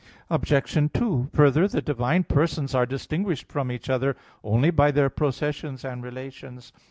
Obj. 2: Further, the divine Persons are distinguished from each other only by their processions and relations.